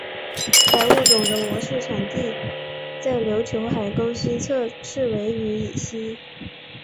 该物种的模式产地在琉球海沟西侧赤尾屿以西。